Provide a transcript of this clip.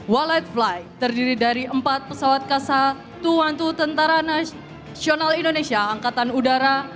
wallet flight terdiri dari empat pesawat kasa dua ratus dua belas tentara nasional indonesia angkatan udara